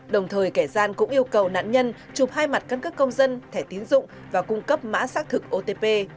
đồng thời kẻ gian cũng yêu cầu nạn nhân chụp hai mặt căn cước công dân thẻ tiến dụng và cung cấp mã xác thực otp